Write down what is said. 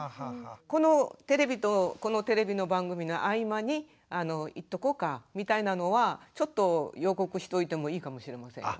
このテレビとこのテレビの番組の合間に行っとこうかみたいなのはちょっと予告しといてもいいかもしれませんよね。